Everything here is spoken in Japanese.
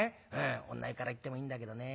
女湯から行ってもいいんだけどね。